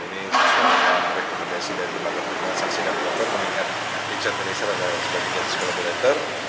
ini sesuai dengan rekomendasi dari bapak bapak